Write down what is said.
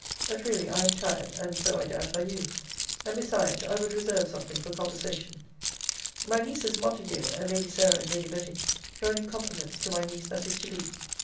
But really I am tired; and so I doubt are you. And besides, I would reserve something for conversation. My nieces Montague, and Lady Sarah and Lady Betty, join in compliments to my niece that is to be.